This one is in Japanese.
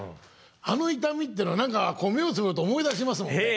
あの痛みってのは何か目をつぶると思い出しますもんね。